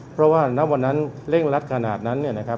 เพราะว่านับวันนั้นเล่งรัดขนาดนั้น